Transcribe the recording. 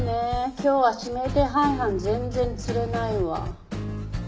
今日は指名手配犯全然釣れないわ。